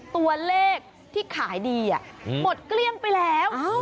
ตัวเลขที่ขายดีหมดเกลี้ยงไปแล้ว